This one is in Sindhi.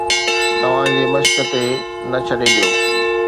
توهان جي مشق تي نه ڇڏي ڏيو